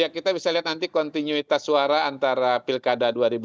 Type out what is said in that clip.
kita bisa lihat nanti kontinuitas suara antara pilkada dua ribu dua puluh